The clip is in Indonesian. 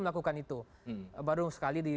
melakukan itu baru sekali di